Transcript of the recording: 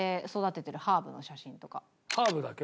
ハーブだけ？